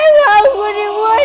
ibu dia bangun ibu dia